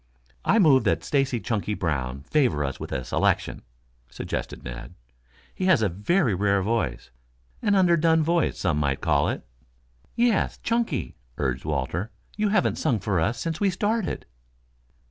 "I move that Stacy Chunky Brown favor us with a selection," suggested Ned. "He has a very rare voice an underdone voice some might call it." "Yes, Chunky," urged Walter. "You haven't sung for us since we started."